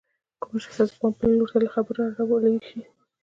کومه چې ستاسې پام بل لور ته له خبرو اړولی شي